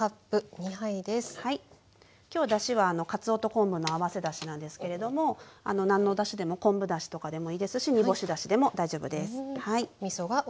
今日だしはかつおと昆布の合わせだしなんですけれども何のおだしでも昆布だしとかでもいいですし煮干しだしでも大丈夫です。